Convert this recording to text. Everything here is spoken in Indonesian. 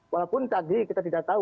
walaupun tadi kita tidak tahu